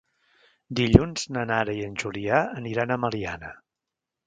Dilluns na Nara i en Julià aniran a Meliana.